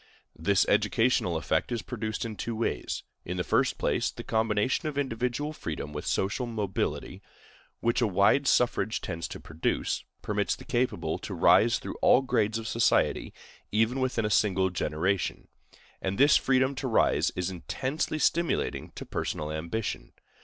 This educational effect is produced in two ways: In the first place, the combination of individual freedom with social mobility, which a wide suffrage tends to produce, permits the capable to rise through all grades of society, even within a single generation; and this freedom to rise is intensely stimulating to personal ambition.